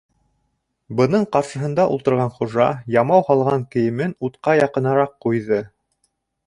Бының ҡаршыһында ултырған хужа ямау һалған кейемен утҡа яҡыныраҡ ҡуйҙы.